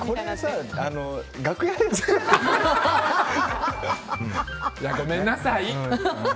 いや、ごめんなさい！